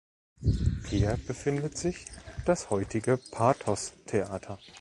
Hier befindet sich das heutige Pathos Theater.